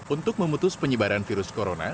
untuk memutus penyebaran virus corona